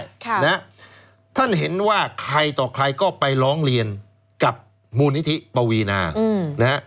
ค่ะนะฮะท่านเห็นว่าใครต่อใครก็ไปร้องเรียนกับมูลนิธิปวีนาอืมนะฮะ